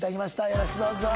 よろしくどうぞ。